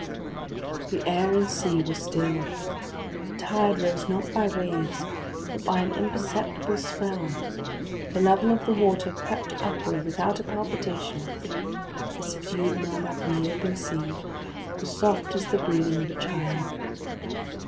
The air and sea were still. The tide rose not by waves, but by an imperceptible swell. The level of the water crept upward without a palpitation. The subdued murmur from the open sea was soft as the breathing of a child.